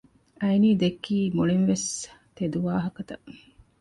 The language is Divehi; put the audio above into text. އައިނީ ދެއްކީ މުޅިންވެސް ތެދު ވާހަކަތައް